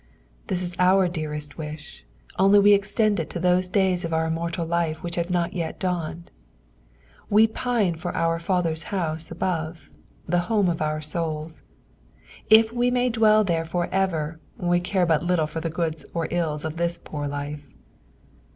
This b our dearest wish, ooly we extend it to those days of our immortal life ■which have not yet dawned. We pina for our Father's house above, the homo of our souls ; if we may but dwell there for ever, we care hut little for the goods or ills of this poor life.